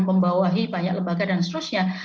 membawahi banyak lembaga dan seterusnya